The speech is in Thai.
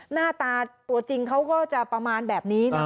หน้าตาตัวจริงเขาก็จะประมาณแบบนี้นะ